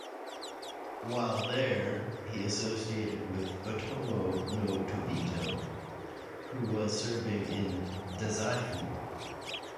While there, he associated with Otomo no Tabito, who was serving in Dazaifu.